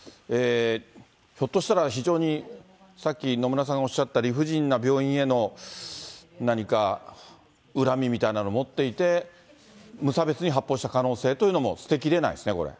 ひょっとしたら非常にさっき野村さんがおっしゃった理不尽な病院への、何か恨みみたいなの持っていて、無差別に発砲した可能性というのも捨てきれないですね。